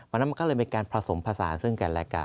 วันนั้นมันก็เลยเป็นการผสมผสานซึ่งการแลกกัน